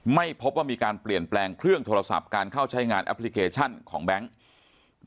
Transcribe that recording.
ไม่พบว่ามีการเปลี่ยนแปลงเครื่องโทรศัพท์การเข้าใช้งานแอปพลิเคชันของแบงค์